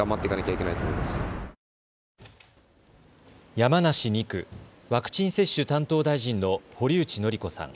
山梨２区、ワクチン接種担当大臣の堀内詔子さん。